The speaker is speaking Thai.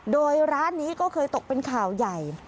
โดยร้านนี้ก็เคยตกเป็นข่าวใหญ่